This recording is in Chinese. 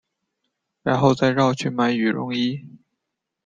然后再绕去买羽绒衣